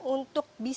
untuk bisa lebih keras